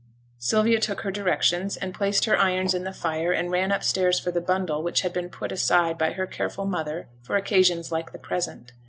Sylvia took her directions, and placed her irons in the fire, and ran upstairs for the bundle which had been put aside by her careful mother for occasions like the present.